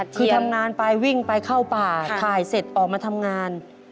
ที่ทำงานไปวิ่งไปเข้าป่าถ่ายเสร็จออกมาทำงาน